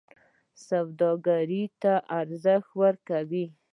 سوداګرۍ ته ارزښت ورکوي.